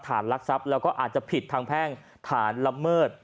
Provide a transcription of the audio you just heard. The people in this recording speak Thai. รักทรัพย์แล้วก็อาจจะผิดทางแพ่งฐานละเมิด